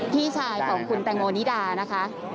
พี่ชายของคุณแตงโมนิดานะคะ